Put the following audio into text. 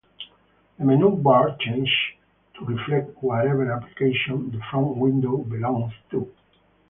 The menu bar changes to reflect whatever application the front window belongs to.